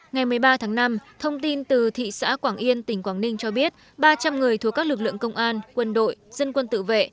ngày một mươi ba tháng năm thông tin từ thị xã quảng yên tỉnh quảng ninh cho biết ba trăm linh người thuộc các lực lượng công an quân đội dân quân tự vệ